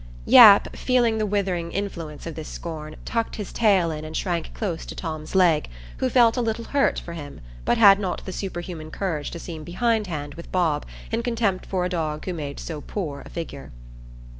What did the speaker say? Yap, feeling the withering influence of this scorn, tucked his tail in and shrank close to Tom's leg, who felt a little hurt for him, but had not the superhuman courage to seem behindhand with Bob in contempt for a dog who made so poor a figure.